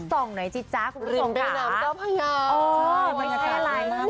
ส่งเมล็ดนึงน้ำกาวพยา